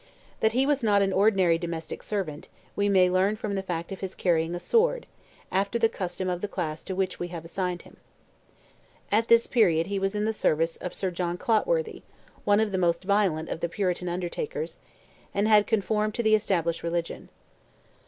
That he was not an ordinary domestic servant, we may learn from the fact of his carrying a sword, after the custom of the class to which we have assigned him. At this period he was in the service of Sir John Clotworthy, one of the most violent of the Puritan Undertakers, and had conformed to the established religion.